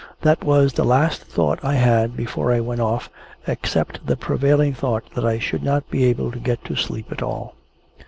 That was the last thought I had before I went off, except the prevailing thought that I should not be able to get to sleep at all.